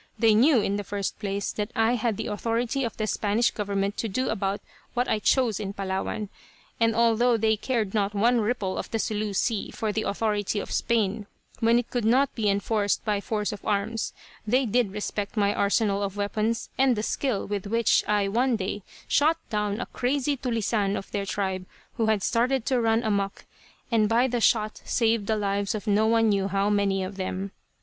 They knew, in the first place, that I had the authority of the Spanish government to do about what I chose in Palawan, and although they cared not one ripple of the Sulu Sea for the authority of Spain when it could not be enforced by force of arms, they did respect my arsenal of weapons and the skill with which I one day shot down a crazy "tulisane" of their tribe who had started to run amuck, and by the shot saved the lives of no one knew how many of them.